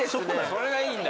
それがいいんだ。